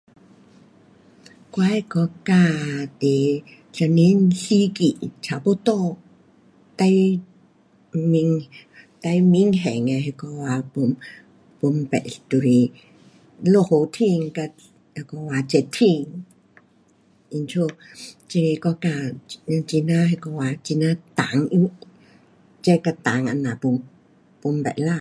我的国家，是一年四季差不多最明，最明显的那个啊分别就是落雨天跟那个啊热天。因此这个国家很呀那个啊，很呀湿，热跟湿这样分别啦。